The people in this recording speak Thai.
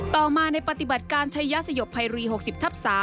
ต่อมาในปฏิบัติการชายสยบภัยรี๖๐ทับ๓